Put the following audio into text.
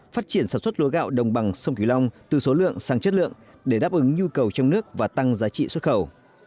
phát triển sản xuất lúa gạo đồng bằng sông kỳ long từ số lượng sang chất lượng để đáp ứng nhu cầu trong nước và tăng giá trị xuất khẩu